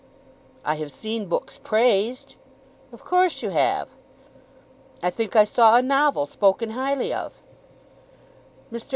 '" "I have seen books praised." "Of course you have." "I think I saw a novel spoken highly of." Mr.